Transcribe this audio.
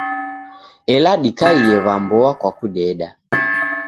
Ela dikaie w'a mboa kwa kudeda.